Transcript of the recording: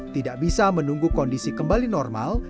tidak bisa menunggu kondisi kembali normal